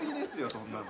そんなの。